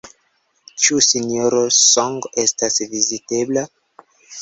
Ĉu Sinjoro Song estas vizitebla?